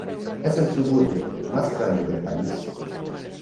Es el suburbio, más grande del país.